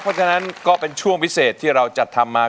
เพราะฉะนั้นก็เป็นช่วงพิเศษที่เราจัดทำมา